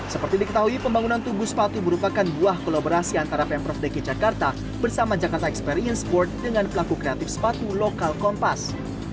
seperti diketahui pembangunan tubuh sepatu merupakan buah kolaborasi antara pemprov dki jakarta bersama jakarta experience sport dengan pelaku kreatif sepatu lokal kompas